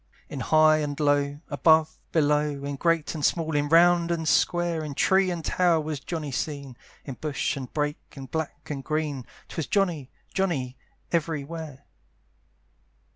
In high and low, above, below, In great and small, in round and square, In tree and tower was Johnny seen, In bush and brake, in black and green, 'Twas Johnny, Johnny, every where.